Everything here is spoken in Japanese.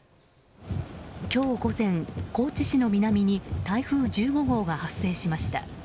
今日午前、高知市の南に台風１５号が発生しました。